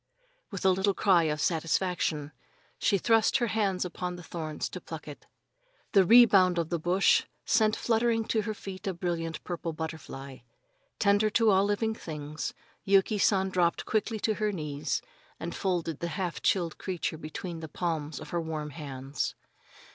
With a little cry of satisfaction, she thrust her hands among the thorns to pluck it. The rebound of the bush sent fluttering to her feet a brilliant purple butterfly. Tender to all living things, Yuki San dropped quickly to her knees and folded the half chilled creature between the palms of her warm hands.